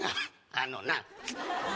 あのな。